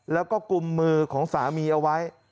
แล้วก็กุมมือของสามีเอาไว้